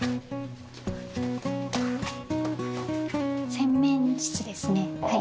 洗面室ですねはい。